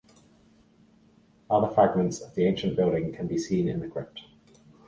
Other fragments of the ancient building can be seen in the crypt.